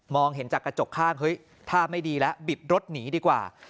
เห็นจากกระจกข้างเฮ้ยท่าไม่ดีแล้วบิดรถหนีดีกว่า